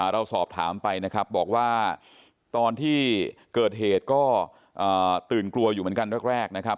เราสอบถามไปนะครับบอกว่าตอนที่เกิดเหตุก็ตื่นกลัวอยู่เหมือนกันแรกนะครับ